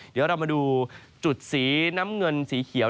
เดี๋ยวเรามาดูจุดสีน้ำเงินสีเขียว